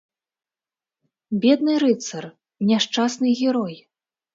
Бедны рыцар, няшчасны герой!